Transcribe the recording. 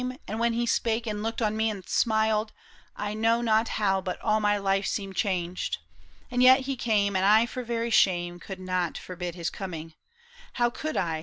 And when he spake and looked on me and smiled, I know not how but all my life seemed changed. And yet he came, and I for very shame Could not forbid his coming. How could I, 54 PAUL ISHAM.